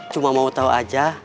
cuma mau tahu aja